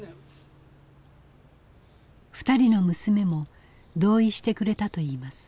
２人の娘も同意してくれたといいます。